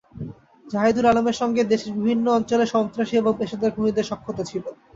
জাহিদুল আলমের সঙ্গে দেশের বিভিন্ন অঞ্চলের সন্ত্রাসী এবং পেশাদার খুনিদের সখ্যতা ছিল।